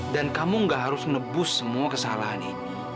dan kamu gak harus nebus semua kesalahan ini